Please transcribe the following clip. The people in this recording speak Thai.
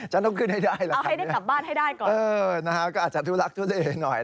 ฉันต้องขึ้นให้ได้หรอครับนี่เออนะฮะก็อาจจะทุกลักษณ์ทุกนิดหน่อยนะ